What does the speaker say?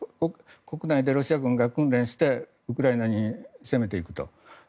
国内でロシア軍が訓練してウクライナに攻めていくと。